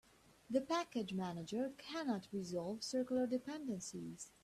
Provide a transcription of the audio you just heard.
The package manager cannot resolve circular dependencies.